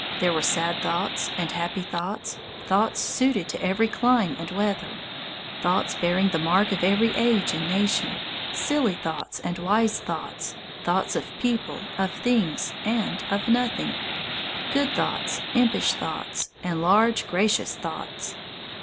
There were sad thoughts and happy thoughts, thoughts suited to every clime and weather, thoughts bearing the mark of every age and nation, silly thoughts and wise thoughts, thoughts of people, of things, and of nothing, good thoughts, impish thoughts, and large, gracious thoughts.